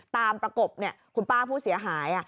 ประกบคุณป้าผู้เสียหาย